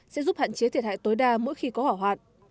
sẽ giúp hạn chế thiệt hại tối đa mỗi khi có hỏa hoạn